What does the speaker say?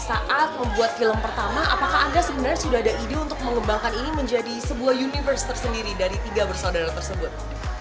saat membuat film pertama apakah anda sebenarnya sudah ada ide untuk mengembangkan ini menjadi sebuah universe tersendiri dari tiga bersaudara tersebut